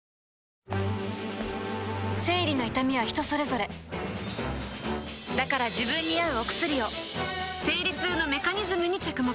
生理の痛みは人それぞれだから自分に合うお薬を生理痛のメカニズムに着目